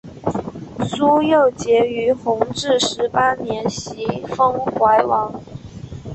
朱佑棨于弘治十八年袭封淮王。